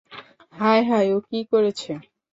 হায় হায়, ও কী করেছে?